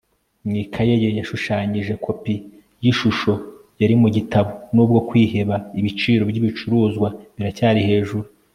mu ikaye ye, yashushanyije kopi y'ishusho yari mu gitabo. nubwo kwiheba, ibiciro byibicuruzwa biracyari hejuru